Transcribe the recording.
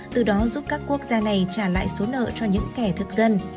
từ đó giúp các quốc gia này trả lại số nợ cho những kẻ thực dân